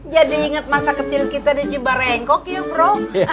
jadi inget masa kecil kita di cibarengkok ya bro